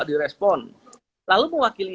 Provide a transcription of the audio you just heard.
direspon lalu mewakili